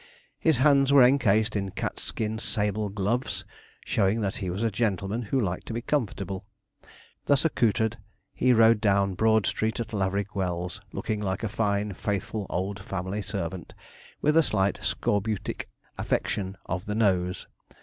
His hands were encased in cat's skin sable gloves, showing that he was a gentleman who liked to be comfortable. Thus accoutred, he rode down Broad Street at Laverick Wells, looking like a fine, faithful old family servant, with a slight scorbutic affection of the nose.